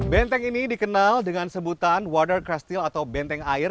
benteng ini dikenal dengan sebutan water classtil atau benteng air